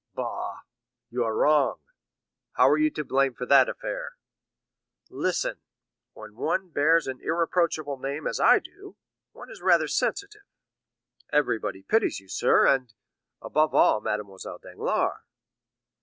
"Bah, you are wrong. How were you to blame in that affair?" "Listen—when one bears an irreproachable name, as I do, one is rather sensitive." "Everybody pities you, sir; and, above all, Mademoiselle Danglars!"